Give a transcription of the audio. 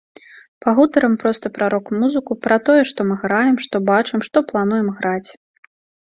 Пагутарым проста пра рок-музыку, пра тое, што мы граем, што бачым, што плануем граць.